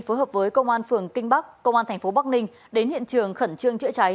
phối hợp với công an phường kinh bắc công an tp bắc ninh đến hiện trường khẩn trương chữa cháy